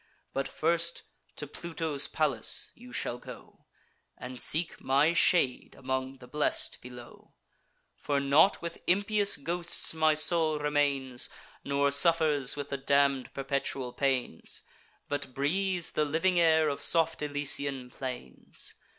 But first to Pluto's palace you shall go, And seek my shade among the blest below: For not with impious ghosts my soul remains, Nor suffers with the damn'd perpetual pains, But breathes the living air of soft Elysian plains.